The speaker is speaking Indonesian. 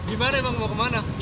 gimana emang mau kemana